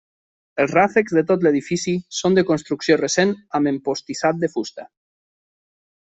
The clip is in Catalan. Els ràfecs de tot l'edifici són de construcció recent amb empostissat de fusta.